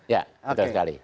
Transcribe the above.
ya betul sekali